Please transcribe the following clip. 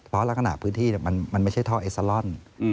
เพราะลักษณะพื้นที่มันไม่ใช่ท่อเอซาลอน